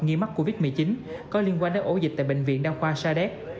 nghi mắc covid một mươi chín có liên quan đến ổ dịch tại bệnh viện đăng khoa sa đéc